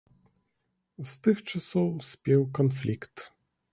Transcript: З тых часоў спеў канфлікт.